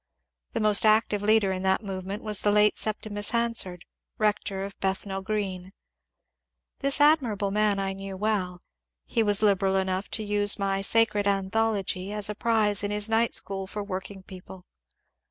The most active leader in that movement was the late Sep timus Hansard, rector of Bethnal Green. This admirable man I knew well. He was liberal enough to use my ^^ Sacred Aiuthology " as a prize in his night school for working people.